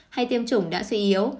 hay tiêm chủng đã suy yếu